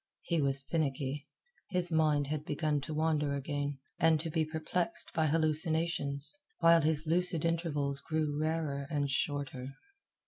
He was finicky. His mind had begun to wander again, and to be perplexed by hallucinations, while his lucid intervals grew rarer and shorter.